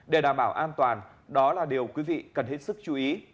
để đảm bảo an toàn đó là điều quý vị cần hết sức chú ý